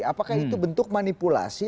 apakah itu bentuk manipulasi